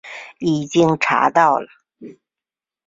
已经查到了